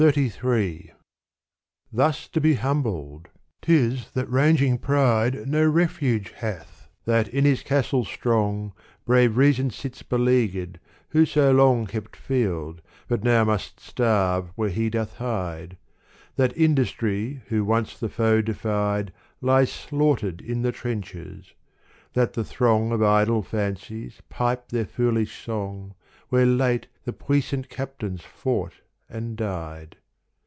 XXXIII Thus to be humbled : 't is that ranging pride No refuge hath : that in his castle strong Brave reason sits beleaguered who so long Kept field but now must starve where he doth hide That industry who once the foe defied Lies slaughtered in the trenches : that the throng Of idle fancies pipe their foolish song Where late the puissant captains fought and died.